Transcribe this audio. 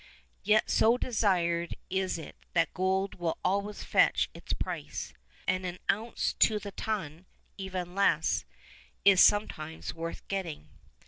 Yet so desired is it that gold will always fetch its price, and an ounce to the ton (even less) is sometimes worth getting.